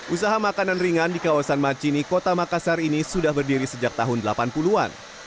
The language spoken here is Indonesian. usaha makanan ringan di kawasan macini kota makassar ini sudah berdiri sejak tahun delapan puluh an